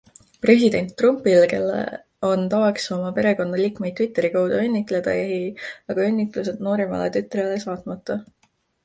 President Trumpil, kel on tavaks oma perekonnaliikmeid Twitteri kaudu õnnitleda, jäi aga õnnitlused noorimale tütrele saatmata.